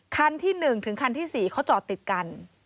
คันที่๑ถึงคันที่๔เขาจอดติดกัน